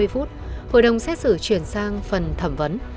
chín h bốn mươi hội đồng xét xử chuyển sang phần thẩm vấn